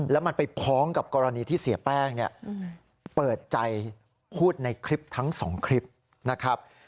แล้วมันไปพร้อมกับกรณีที่เสียแป้งเปิดใจพูดในทั้งสองคลิปนะครับ